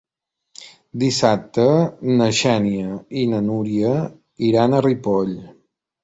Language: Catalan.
Dissabte na Xènia i na Núria iran a Ripoll.